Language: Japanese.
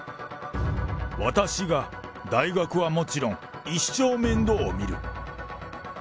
私が大学はもちろん、一生面倒を見る。